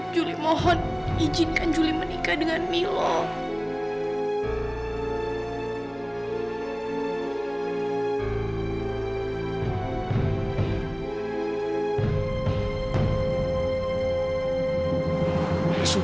juli mohon izinkan juli menikah dengan milo